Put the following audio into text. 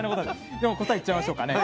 では答えいっちゃいましょうかね。